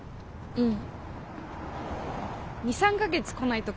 うん。